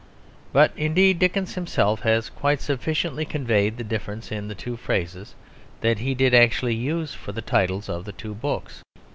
But indeed Dickens himself has quite sufficiently conveyed the difference in the two phrases that he did actually use for the titles of the two books.